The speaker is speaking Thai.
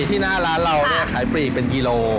ที่หน้าร้านเราเนี่ยขายปลีกเป็นกิโล